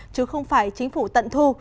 chứ không phải chính phủ tận thu